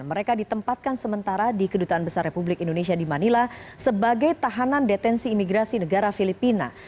mereka ditempatkan sementara di kedutaan besar republik indonesia di manila sebagai tahanan detensi imigrasi negara filipina